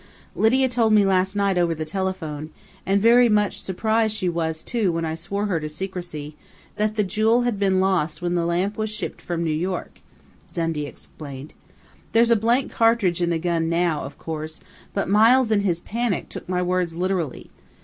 "Lydia told me last night over the telephone and very much surprised she was, too, when I swore her to secrecy that the jewel had been lost when the lamp was shipped from New York," Dundee explained. "There's a blank cartridge in the gun now, of course, but Miles, in his panic, took my words literally....